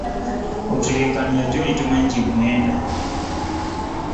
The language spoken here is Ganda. Otuleekaanira gy'oli tomanyi gye bagenda.